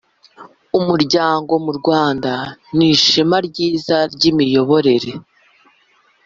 umuryango mu Rwanda nishema ryiza ryimiyoborere